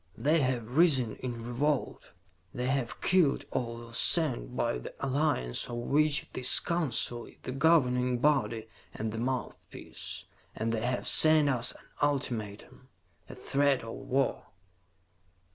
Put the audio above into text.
They have risen in revolt, they have killed all those sent by the Alliance of which this Council is the governing body and the mouthpiece, and they have sent us an ultimatum a threat of war!"